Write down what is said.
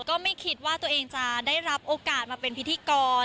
ก็ไม่คิดว่าตัวเองจะได้รับโอกาสมาเป็นพิธีกร